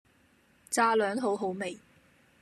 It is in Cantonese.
炸両好好味